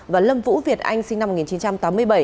và lâm vũ việt anh sinh năm một nghìn chín trăm tám mươi bảy